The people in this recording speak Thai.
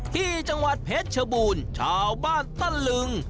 ที่จังหวัดเพชรชบูรณ์ชาวบ้านตะลึง